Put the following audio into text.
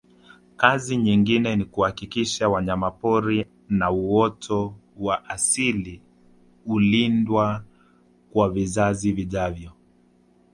kazi nyingine ni kuhakisha wanyamapori na uoto wa asili unalindwa kwa vizazi vijavyo